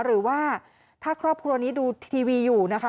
หรือว่าถ้าครอบครัวนี้ดูทีวีอยู่นะคะ